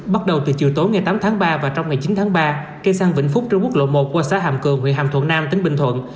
bắt đầu từ chiều tối ngày tám tháng ba và trong ngày chín tháng ba cây săn vĩnh phúc trên quốc lộ một qua xã hàm cường huyện hàm thuận nam tỉnh bình thuận